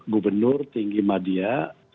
gubernur tinggi madya